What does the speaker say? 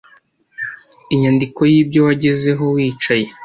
Inyandiko y'ibyo wagezeho wicaye